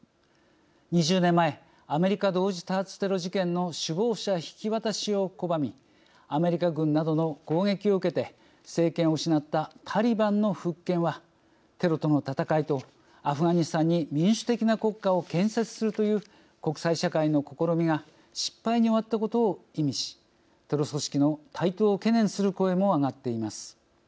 ２０年前アメリカ同時多発テロ事件の首謀者引き渡しを拒みアメリカ軍などの攻撃を受けて政権を失ったタリバンの復権はテロとの戦いとアフガニスタンに民主的な国家を建設するという国際社会の試みが失敗に終わったことを意味しテロ組織の台頭を懸念する声も上がっています。